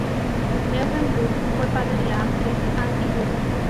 Eugen Burg fue padre de la actriz Hansi Burg.